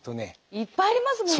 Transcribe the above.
いっぱいありますもんね。